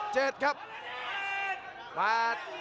ตีอัดเข้าไปสองที